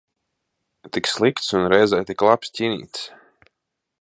Tik slikts un reizē tik labs ķinītis.